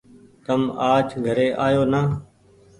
تم آج گهري آيو نآ ۔